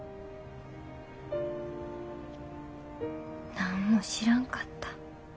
何も知らんかった。